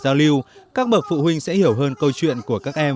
trong buổi giao lưu các bậc phụ huynh sẽ hiểu hơn câu chuyện của các em